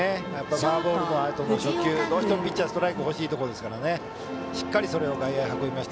フォアボールのあとの初球どうしてもピッチャーはストライクが欲しいところなので。